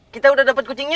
kita udah dapet kucingnya